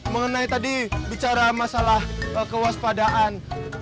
mengenai tadi bicara masalah kewaspadaan